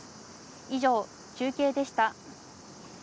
以上、中継でした。